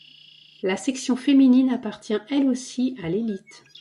La section féminine appartient elle aussi à l'élite.